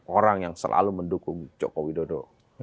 orang yang selalu mendukung joko widodo